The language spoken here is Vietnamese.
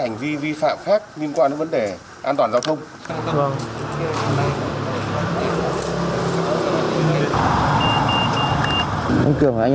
anh phải ngậm vào anh không thể thổi